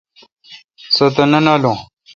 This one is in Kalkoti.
سو تہ نہ نالوں۔